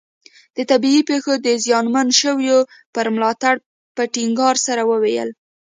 د طبیعي پېښو د زیانمنو شویو پر ملاتړ په ټینګار سره وویل.